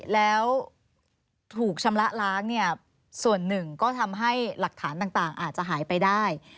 แล้วถูกชำระล้างเนี่ยส่วนหนึ่งก็ทำให้หลักฐานต่างอาจจะหายไปได้